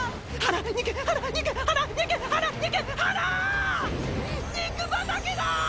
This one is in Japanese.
筋肉畑だ！！